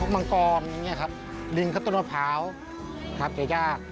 มังกรอย่างนี้ครับลิงข้าวต้นมะพร้าวครับจะยาก